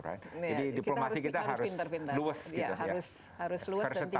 jadi diplomasi kita harus luwes gitu ya